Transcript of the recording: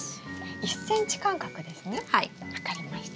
１ｃｍ間隔ですね分かりました。